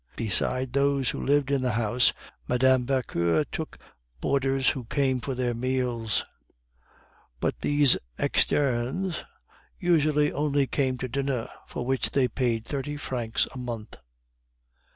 Beside those who lived in the house, Mme. Vauquer took boarders who came for their meals; but these externes usually only came to dinner, for which they paid thirty francs a month.